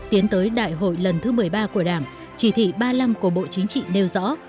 tiến tới đại hội lần thứ một mươi ba của đảng chỉ thị ba mươi năm của bộ chính trị nêu rõ